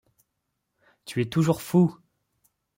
Tu es toujours fou !